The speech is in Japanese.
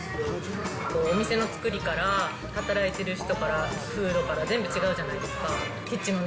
お店のつくりから、働いている人から、フードから、全部違うじゃないですか。